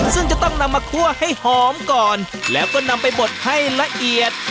ซึ่งจะต้องนำมาคั่วให้หอมก่อนแล้วก็นำไปบดให้ละเอียด